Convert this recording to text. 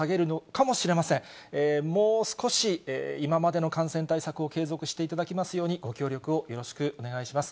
もう少し、今までの感染対策を継続していただきますように、ご協力をよろしくお願いします。